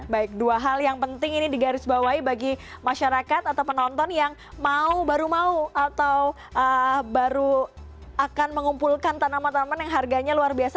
baik dua hal yang penting ini digarisbawahi bagi masyarakat atau penonton yang mau baru mau atau baru akan mengumpulkan tanaman tanaman yang harganya luar biasa